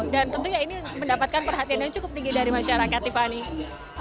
dan tentunya ini mendapatkan perhatian yang cukup tinggi dari masyarakat tiffany